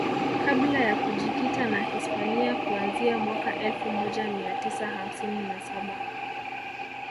kabla ya kujikita na Hispania kuanzia mwaka elfu moja mia tisa hamsini na saba